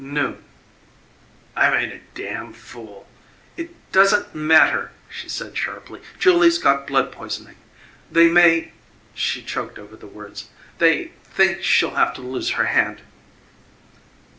"Noon." "I made a damn fool " "It doesn't matter," she said sharply. "Julie's got blood poisoning. They may" she choked over the words "they think she'll have to lose her hand."